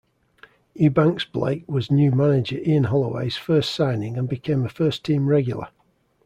Ebanks-Blake was new manager Ian Holloway's first signing and became a first team regular.